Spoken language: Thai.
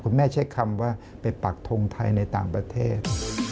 แม่ใช้คำว่าไปปักทงไทยในต่างประเทศ